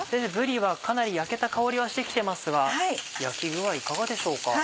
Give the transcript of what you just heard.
ぶりはかなり焼けた香りはして来てますが焼き具合いかがでしょうか？